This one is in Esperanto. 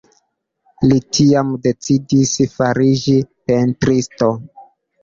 Li tiam decidis fariĝi pentristo.